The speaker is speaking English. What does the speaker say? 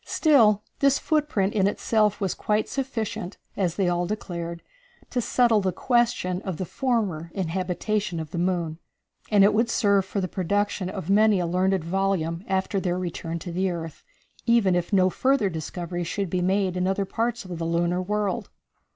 Still this footprint in itself was quite sufficient, as they all declared, to settle the question of the former inhabitation of the moon, and it would serve for the production of many a learned volume after their return to the earth, even if no further discoveries should be made in other parts of the lunar world.